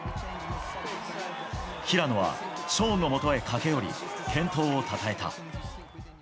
平野は、ショーンのもとへ駆け寄り健闘をたたえた。